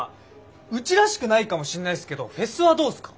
うちらしくないかもしんないすけどフェスはどうすか？